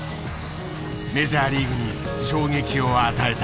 メジャーリーグに衝撃を与えた。